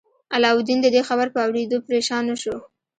علاوالدین د دې خبر په اوریدو پریشان نه شو.